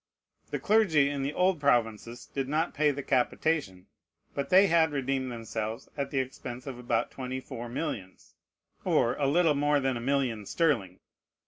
The clergy in the old provinces did not pay the capitation; but they had redeemed themselves at the expense of about twenty four millions, or a little more than a million sterling.